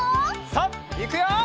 さあいくよ！